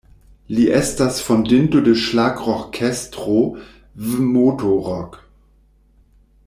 Li estas fondinto de ŝlagrorkestro "V'Moto-Rock".